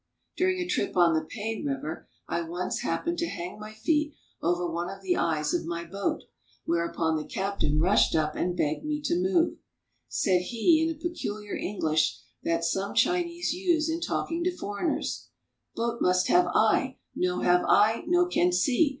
During a trip on the Pei River I once happened to hang my feet over one of the eyes of my boat, whereupon the captain rushed up and begged me to move. Said he, in a peculiar English that some Chinese use in talking to foreigners :— CHINESE BOATS AND BOAT PEOPLE 1 55 " Boat must have eye ! No have eye, no can see